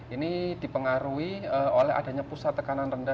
ini dipengaruhi oleh adanya pusat tekanan rendah